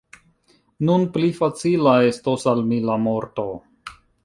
Nun pli facila estos al mi la morto!